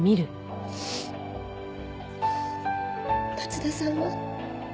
町田さんは？